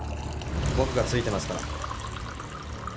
僕がついてますから。